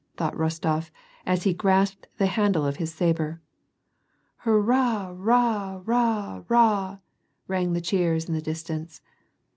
thought Rostof, as he grasped the liandle of his sabre. " Hurrah ah ah ah !" rang the cheers in the distance.